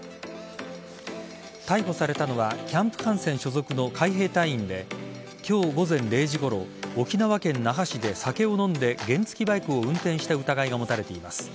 逮捕されたのはキャンプ・ハンセン所属の海兵隊員で今日午前０時ごろ沖縄県那覇市で酒を飲んで原付バイクを運転した疑いが持たれています。